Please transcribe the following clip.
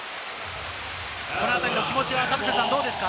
このあたりの気持ちはどうですか？